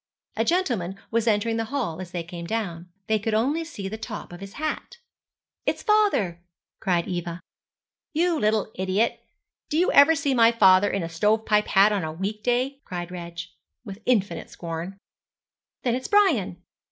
A gentleman was entering the hall as they came down. They could only see the top of his hat. 'It's father,' cried Eva. 'You little idiot; did you ever see my father in a stove pipe hat on a week day?' cried Reg, with infinite scorn. 'Then it's Brian.'